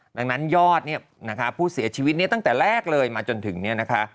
ดังนั้นยอดเนี่ยนะคะผู้เสียชีวิตเนี่ยตั้งแต่แรกเลยมาจนถึงเนี่ยนะคะ